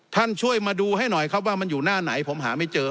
ช่วยมาดูให้หน่อยครับว่ามันอยู่หน้าไหนผมหาไม่เจอ